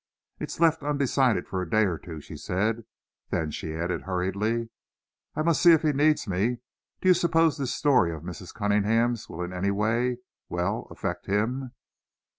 "It's left undecided for a day or two," she said. Then she added hurriedly, "I must see if he needs me. Do you suppose this story of Mrs. Cunningham's will in any way well, affect him?"